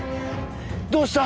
どうした？